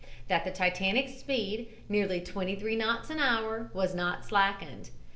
"That the Titanic's speed, nearly 23 knots an hour, was not slackened.